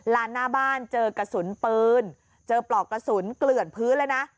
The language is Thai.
หน้าบ้านเจอกระสุนปืนเจอปลอกกระสุนเกลื่อนพื้นเลยนะ